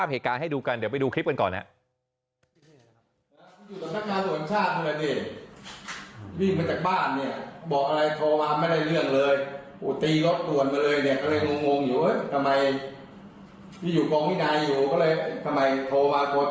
พี่อยู่กองพี่นายอยู่ก็เลยทำไมโทรมาโทรมาก็ไม่ได้อีกเรื่องหรอก